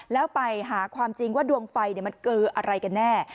แล้วไปหาความจริงว่าดวงไฟมันคืออะไรกันแน่